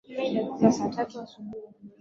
Treni itafika saa tatu na nusu asubuhi.